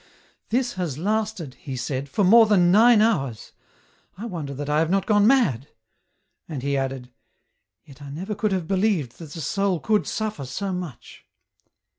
" This has lasted," he said, " for more than nine hours ; I wonder that I have not gone mad ;" and he added, " Yet I never could have believed that the soul could suffer so much."